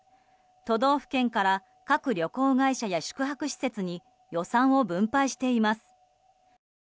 都道府県から各旅行会社や宿泊施設に予算を分配しています。